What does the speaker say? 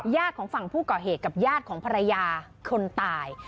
ของฝั่งผู้ก่อเหตุกับญาติของภรรยาคนตาย